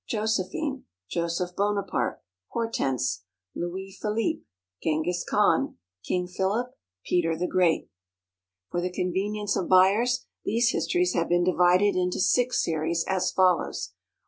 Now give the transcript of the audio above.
Josephine. Joseph Bonaparte. Hortense. Louis Philippe. Genghis Khan. King Philip. Peter the Great. For the convenience of buyers, these Histories have been divided into Six Series, as follows: I.